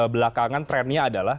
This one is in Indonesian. belakangan trennya adalah